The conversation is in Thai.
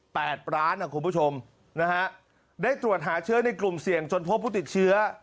ร้านอ่ะคุณผู้ชมนะฮะได้ตรวจหาเชื้อในกลุ่มเสี่ยงจนพบผู้ติดเชื้อ